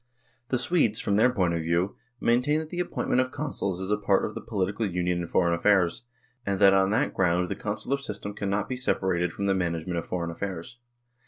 The Swedes, from their point of view, maintain that the appointment of Consuls is a part of the political union in foreign affairs, and that on that ground the Consular system cannot be separated from the management of foreign affairs.